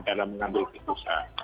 dalam mengambil keputusan